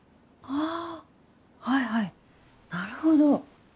あはいはいなるほど。